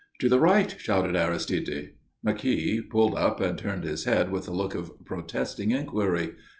"To the right!" shouted Aristide. McKeogh pulled up and turned his head with a look of protesting inquiry.